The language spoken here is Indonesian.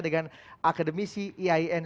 dengan akademisi iain